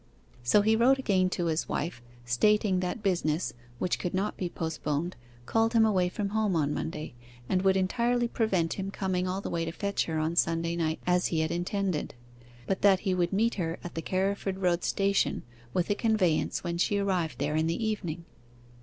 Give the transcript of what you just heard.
So he wrote again to his wife, stating that business, which could not be postponed, called him away from home on Monday, and would entirely prevent him coming all the way to fetch her on Sunday night as he had intended, but that he would meet her at the Carriford Road Station with a conveyance when she arrived there in the evening.